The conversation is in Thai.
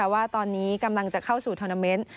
ว่าตอนนี้กำลังจะเข้าสู่ทอนาเมนต์